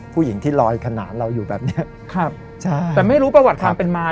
ผู้หญิงที่ลอยขนาดเราอยู่แบบเนี้ยครับใช่แต่ไม่รู้ประวัติความเป็นมา